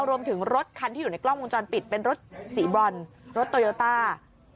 รถคันที่อยู่ในกล้องวงจรปิดเป็นรถสีบรอนรถโตโยต้า